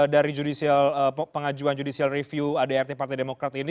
dari pengajuan judicial review adrt partai demokrat ini